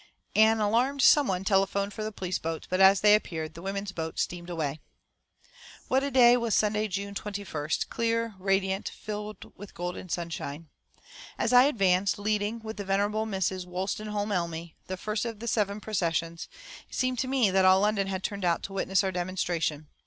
An alarmed someone telephoned for the police boats, but as they appeared, the women's boat steamed away. What a day was Sunday, June 21st clear, radiant, filled with golden sunshine! As I advanced, leading, with the venerable Mrs. Wolstenholm Elmy, the first of the seven processions, it seemed to me that all London had turned out to witness our demonstration.